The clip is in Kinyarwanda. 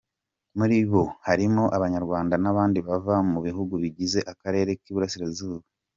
Muri bo harimo Abanyarwanda n’abandi bava mu bihugu bigize akarere k’Iburasirazuba.